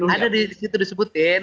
ada di situ disebutin